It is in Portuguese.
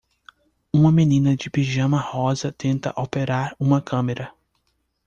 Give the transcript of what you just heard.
Uma menina de pijama rosa tenta operar uma câmera.